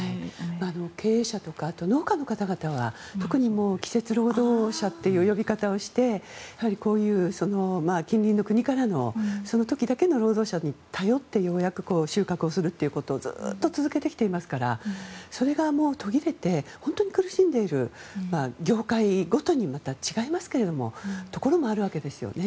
経営者とか農家の方々は特に季節労働者っていう呼び方をしてこういう近隣の国からのその時だけの労働者に頼ってようやく収穫をするということをずっと続けてきていますからそれが途切れて業界ごとに違いますけれども本当に苦しんでいるところもあるんですね。